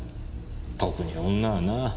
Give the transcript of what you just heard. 特に女はな。